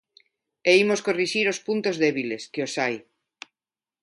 E imos corrixir os puntos débiles, que os hai.